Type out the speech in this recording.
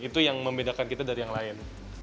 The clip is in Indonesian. itu yang membedakan kita dari yang lain